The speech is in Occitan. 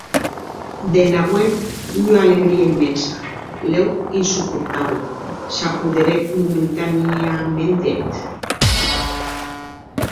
De nauèth ua alegria immensa, lèu insuportabla, s’apoderèc momentanèaments d’eth.